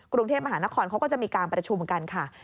กรุงเทพมหานครเขาก็จะมีการประชุมกันค่ะ